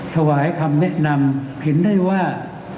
ถวายคำแนะนำเห็นได้ว่า